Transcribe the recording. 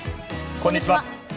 こんにちは。